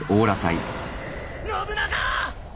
・信長！